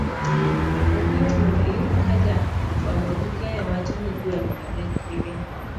Ok yot mondo iyud ka ja fuambo gi keyo wacho ni gweno adek, higa